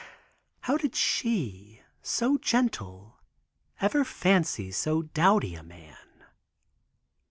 "How did she, so gentle, ever fancy so douty a man?"